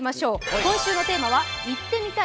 今週のテーマは「行ってみたい！